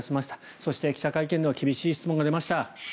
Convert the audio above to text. そして、記者会見では厳しい質問が出ました。